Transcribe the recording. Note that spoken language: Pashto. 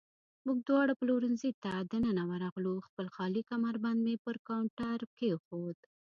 موږ دواړه پلورنځۍ ته دننه ورغلو، خپل خالي کمربند مې پر کاونټر کېښود.